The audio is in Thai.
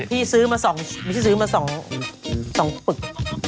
พี่ซื้อมา๒ปึก